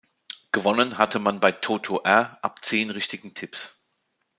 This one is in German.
Gewonnen hatte man bei Toto-R ab zehn richtigen Tipps.